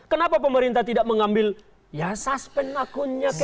kenapa pemerintah tidak mengambil ya suspensi akunnya kayak apa gitu